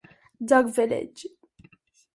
Duck Village.